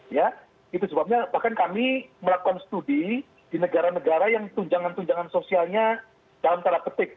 ya itu sebabnya bahkan kami melakukan studi di negara negara yang tunjangan tunjangan sosialnya dalam tanda petik